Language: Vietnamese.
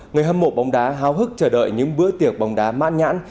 người hâm mộ bóng đá háo hức chờ đợi những bữa tiệc bóng đá mãn nhãn